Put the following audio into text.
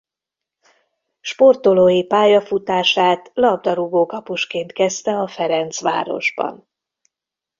Sportolói pályafutását labdarúgókapusként kezdte a Ferencvárosban.